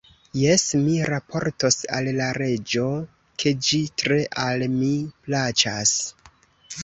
Jes, mi raportos al la reĝo, ke ĝi tre al mi plaĉas!